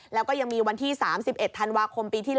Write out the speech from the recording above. แล้วก็ยังมีวันที่๓๑ธันวาคม